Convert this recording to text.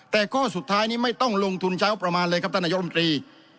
แต่ข้อสุดท้ายนี้ไม่ต้องลงทุนใช้ประมาณเลยครับท่านนายมตรี